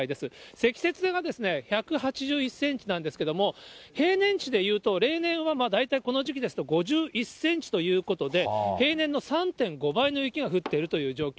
積雪は１８１センチなんですけれども、平年値でいうと、例年は大体この時期ですと、５１センチということで、平年の３．５倍の雪が降っているという状況。